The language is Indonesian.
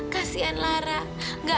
kasian lara kasian lara